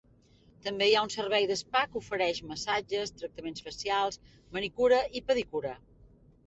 També hi ha un servei de spa que ofereix massatges, tractaments facials, manicura i pedicura.